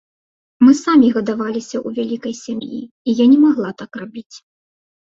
Мы самі гадаваліся ў вялікай сям'і, і я не магла так рабіць.